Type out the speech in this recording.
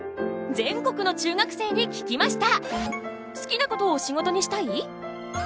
全国の中学生に聞きました！